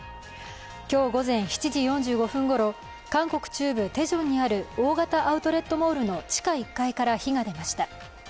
今日午前７時４５分ごろ韓国中部テジョンにある大型アウトレットモールの地下１階から火が出ました。